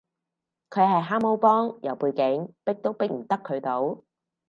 佢係蛤蟆幫，有背景，逼都逼唔得佢到